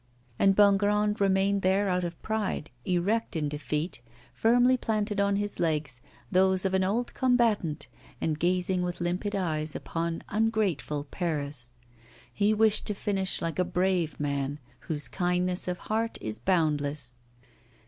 And Bongrand remained there out of pride, erect in defeat, firmly planted on his legs, those of an old combatant, and gazing with limpid eyes upon ungrateful Paris. He wished to finish like a brave man, whose kindness of heart is boundless.